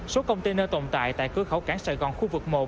số container tồn tại tại cửa khẩu cảng sài gòn khu vực một